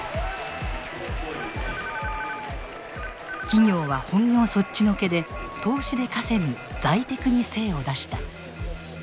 企業は本業そっちのけで投資で稼ぐ財テクに精を出した。